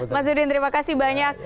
mas zudin terima kasih banyak